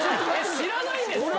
知らないんですか？